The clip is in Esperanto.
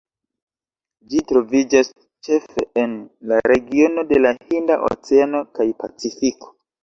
Ĝi troviĝas ĉefe en la regiono de la Hinda oceano kaj Pacifiko.